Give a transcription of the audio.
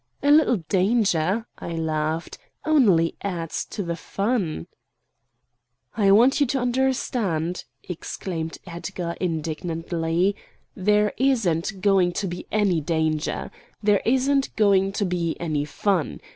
"A little danger," I laughed, "only adds to the fun." "I want you to understand," exclaimed Edgar indignantly, "there isn't going to be any danger. There isn't going to be any fun.